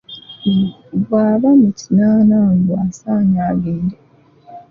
Bbwaba mu kinaana mbu asaanye agende.